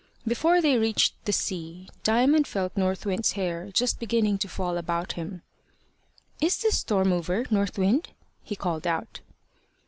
Before they reached the sea, Diamond felt North Wind's hair just beginning to fall about him. "Is the storm over, North Wind?" he called out.